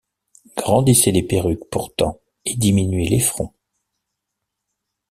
Grandissez les perruques pourtant, et diminuez les fronts.